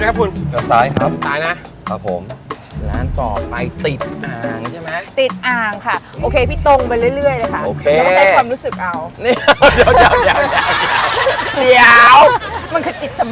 แล้วล้ายครับผมแล้วต่อไปติดอ่างแล้วภายความรู้สึกของ